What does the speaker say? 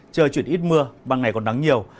trời chuyển ít mưa ban ngày còn nắng nhiều